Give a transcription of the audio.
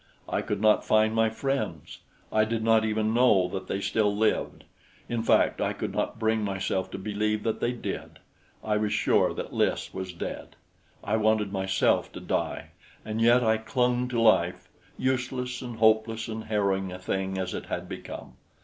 I could not find my friends. I did not even know that they still lived; in fact, I could not bring myself to believe that they did. I was sure that Lys was dead. I wanted myself to die, and yet I clung to life useless and hopeless and harrowing a thing as it had become.